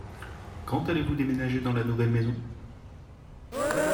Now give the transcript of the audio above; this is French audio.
Quand allez-vous déménager dans la nouvelle maison ?